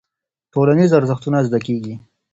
ټولنيز ارزښتونه زده کيږي.